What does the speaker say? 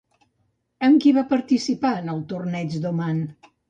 Amb qui va participar en el Torneig d'Oman?